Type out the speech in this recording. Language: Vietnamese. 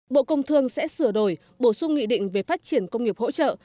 bộ công thương sẽ sửa đổi bổ sung nghị định về phát triển công nghiệp hỗ trợ